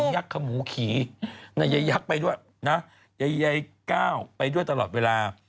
ยักษ์ขมูขีนายยักษ์ไปด้วยนะยายก้าวไปด้วยตลอดเวลา